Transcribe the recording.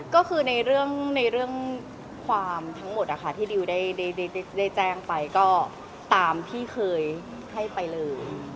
ก็คือในเรื่องความทั้งหมดที่ดิวได้แจ้งไปก็ตามที่เคยให้ไปเลย